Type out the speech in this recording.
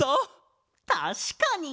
たしかに！